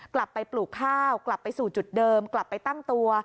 ปลูกข้าวกลับไปสู่จุดเดิมกลับไปตั้งตัว